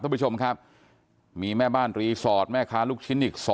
คุณผู้ชมครับมีแม่บ้านรีสอร์ทแม่ค้าลูกชิ้นอีก๒